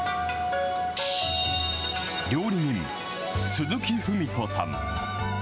料理人、鈴木史さん。